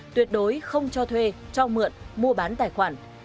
tuyệt đối không cho thuê cho mượn mua bán tài khoản